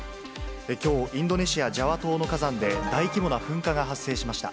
きょう、インドネシア・ジャワ島の火山で、大規模な噴火が発生しました。